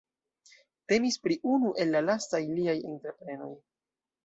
Temis pri unu el la lastaj liaj entreprenoj.